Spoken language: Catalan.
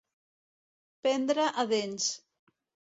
Prendre a dents.